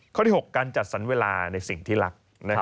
ข้อที่๖การจัดสรรเวลาในสิ่งที่รัก